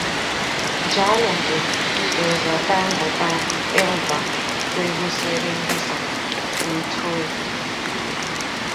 Njalo-nje geza tandla takho emva kwekusebentisa umthoyi.